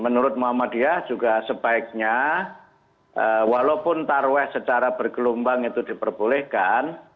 menurut muhammadiyah juga sebaiknya walaupun tarweh secara bergelombang itu diperbolehkan